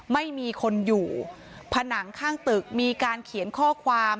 ไม่มีคนอยู่ผนังข้างตึกมีการเขียนข้อความ